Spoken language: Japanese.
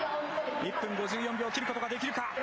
１分５４秒を切ることができるか。